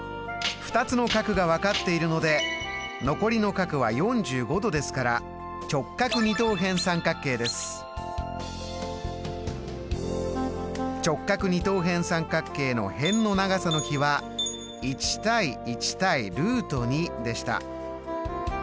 ２つの角が分かっているので残りの角は４５度ですから直角二等辺三角形の辺の長さの比は１：１：でした。